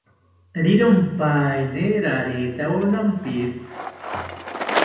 Riyompaeni raretawo nampitzi